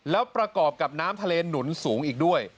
แล้วประกอบกับน้ำทะเลหนุนสูงอีกด้วย